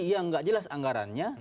ya nggak jelas anggarannya